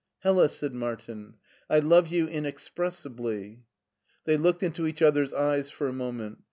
"Hella," said Martin, "I love you inexpressibly." They looked into each other's eyes for a moment.